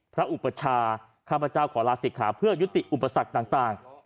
อุปชาข้าพเจ้าขอลาศิกขาเพื่อยุติอุปสรรคต่าง